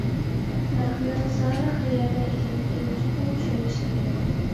پەرقنىڭ زارى قەيەردە ئىكەنلىكىنى چوقۇم چۈشىنىش كېرەك.